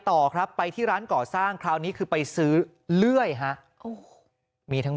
ต่อครับไปที่ร้านก่อสร้างคราวนี้คือไปซื้อเลื่อยฮะโอ้โหมีทั้ง